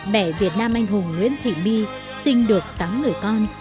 mẹ việt nam anh hùng nguyễn thị my sinh được tám người con